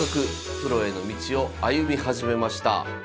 プロへの道を歩み始めました。